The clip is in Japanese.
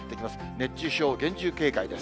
熱中症、厳重警戒です。